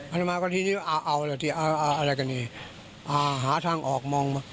อัตมาก็ทีนี้เอาอะไรกันเนี้ยหาทางออกมองมา